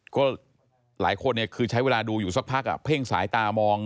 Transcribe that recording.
ก็หลายคนเนี่ยคือใช้เวลาดูอยู่สักพักเพ่งสายตามอง